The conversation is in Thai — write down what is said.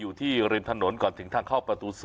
อยู่ที่ริมถนนก่อนถึงทางเข้าประตู๒